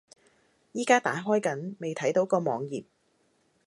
而家打開緊，未睇到個網頁￼